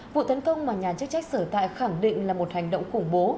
vụ tấn công mà nhà chức trách sở tại khẳng định là một hành động khủng bố